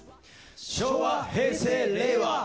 昭和、平成、令和。